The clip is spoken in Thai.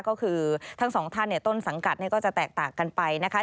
ก็คือทั้งสองท่านต้นสังกัดก็จะแตกต่างกันไปนะคะ